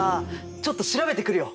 ちょっと調べてくるよ！